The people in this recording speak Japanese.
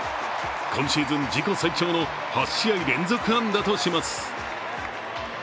今シーズン自己最長の８試合連続安打とします。